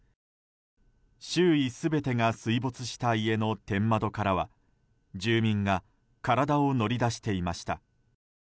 周囲全てが水没した家の天窓からは住民が体を乗り出していました。